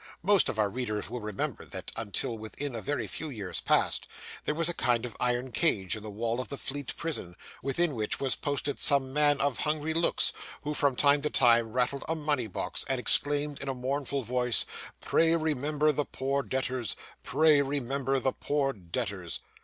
Most of our readers will remember, that, until within a very few years past, there was a kind of iron cage in the wall of the Fleet Prison, within which was posted some man of hungry looks, who, from time to time, rattled a money box, and exclaimed in a mournful voice, 'Pray, remember the poor debtors; pray remember the poor debtors.